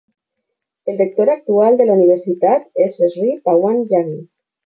El rector actual de la universitat és Shri Pawan Jaggi.